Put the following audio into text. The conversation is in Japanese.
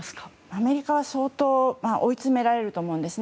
アメリカは相当追いつめられると思います。